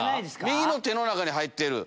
右の手の中に入ってる？